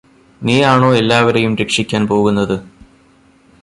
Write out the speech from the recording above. നീയാണോ എല്ലാവരെയും രക്ഷിക്കാന് പോകുന്നത്